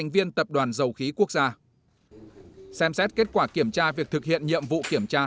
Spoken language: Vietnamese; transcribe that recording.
thành viên tập đoàn dầu khí quốc gia xem xét kết quả kiểm tra việc thực hiện nhiệm vụ kiểm tra